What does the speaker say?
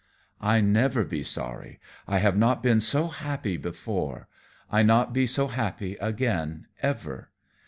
"I never be sorry. I have not been so happy before. I not be so happy again, ever.